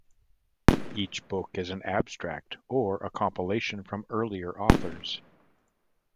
Each book is an abstract or a compilation from earlier authors.